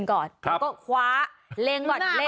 ก็คือเธอนี่มีความเชี่ยวชาญชำนาญ